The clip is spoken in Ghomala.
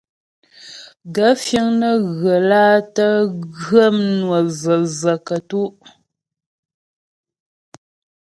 Gaə̂ fíŋ nə́ ghə́ lǎ tə́ ghə́ mnwə və̀və̀ kətú' ?